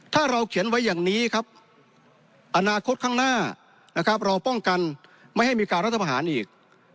ถ้าเราเขียนไว้อย่างนี้ครับอนาคตข้างหน้านะครับเราป้องกันไม่ให้มีการรัฐประหารอีก